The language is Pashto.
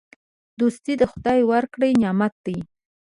دوستي د خدای ورکړی نعمت دی.